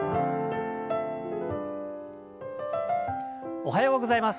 おはようございます。